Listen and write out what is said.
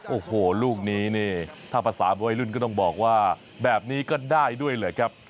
โอ้โหลูกนี้นี่ถ้าภาษาวัยรุ่นก็ต้องบอกว่าแบบนี้ก็ได้ด้วยเลยครับ